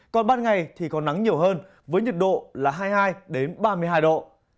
còn ban ngày thì có nắng nhiều hơn với nhiệt độ là hai mươi hai ba mươi hai độ